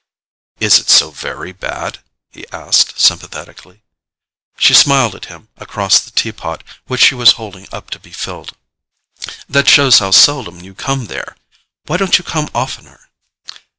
"Is it so very bad?" he asked sympathetically. She smiled at him across the tea pot which she was holding up to be filled. "That shows how seldom you come there. Why don't you come oftener?"